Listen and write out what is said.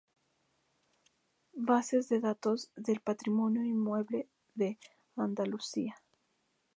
Bases de datos del patrimonio Inmueble de Andalucía.